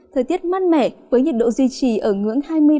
thời tiết mát mẻ với nhiệt độ duy trì ở ngưỡng